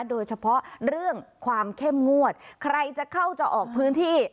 โดยเฉพาะเรื่องความเข้มงวดใครจะเข้าจะออกพื้นที่